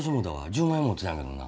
１０万円持ってたんやけどな。